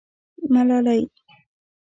_ملالۍ.